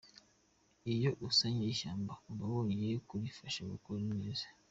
Iyo usannye ishyamba uba wongeye kurifasha gukora neza.